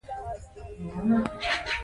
زه د اضطراب د مخنیوي لپاره تمرینونه کوم.